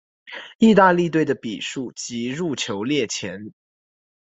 意大利队的比数及入球列前。